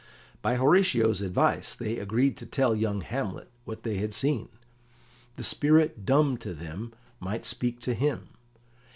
By Horatio's advice, they agreed to tell young Hamlet what they had seen; the spirit dumb to them might speak to him.